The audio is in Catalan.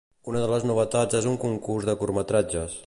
Una de les novetats és un concurs de curtmetratges.